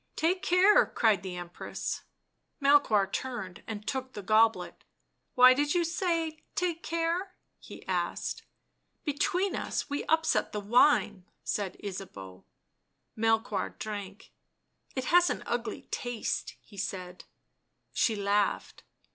Take care!" cried the Empress. Melchoir turned and took the goblet. " Why did you say — take care?" he asked. " Between us we upset the wine," said Ysabeau. Melchoir drank. " It has an ugly taste," he said. She laughed.